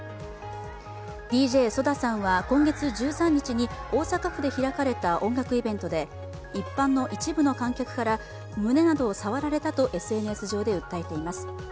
ＤＪＳＯＤＡさんは今月１３日に大阪府で開かれた音楽イベントで一般の一部の観客から、胸などを触られたとＳＮＳ上で訴えています。